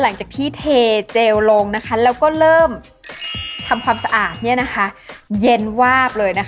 หลังจากที่เทเจลลงแล้วก็เริ่มทำความสะอาดเย็นวาบเลยนะคะ